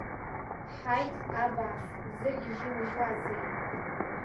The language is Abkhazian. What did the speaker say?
Ҳаит, абааԥс, бзыргьежьымажьуазеи!